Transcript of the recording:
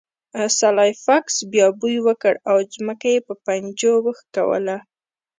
سلای فاکس بیا بوی وکړ او ځمکه یې په پنجو وښکوله